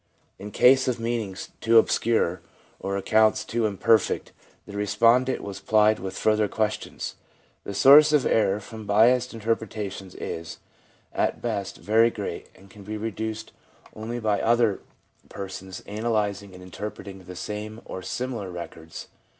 In case of meanings too obscure, or accounts too im perfect, the respondent was plyed with further questions. The source of error from biassed interpretations is, at best, very great, and can be reduced only by other 3 i 4 THE PSYCHOLOGY OF RELIGION persons analysing and interpreting the same or similai records.